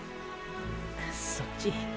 そっち。